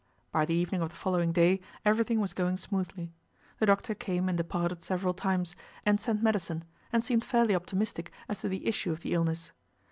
By the evening of the following day, everything was going smoothly. The doctor came and departed several times, and sent medicine, and seemed fairly optimistic as to the issue of the illness.